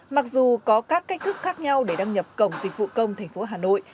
mặc dù có các cách thức khác nhau để đăng nhập cổng dịch vụ công tp hà nội